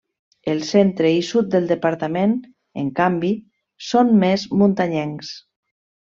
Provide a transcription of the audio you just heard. El centre i sud del departament, en canvi, són més muntanyencs.